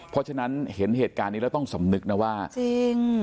เพราะฉะนั้นเห็นเหตุการณ์นี้แล้วต้องสำนึกนะว่าจริง